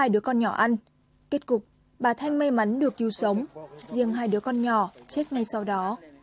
hai đứa con nhỏ ăn kết cục bà thanh may mắn được cứu sống riêng hai đứa con nhỏ chết ngay sau đó